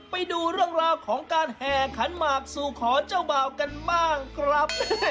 ไปดูเรื่องราวของการแห่ขันหมากสู่ขอเจ้าบ่าวกันบ้างครับ